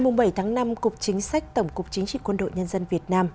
ngày bảy tháng năm cục chính sách tổng cục chính trị quân đội nhân dân việt nam